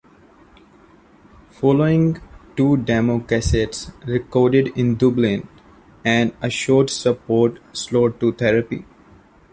Following two demo cassettes recorded in Dublin and a short support slot to Therapy?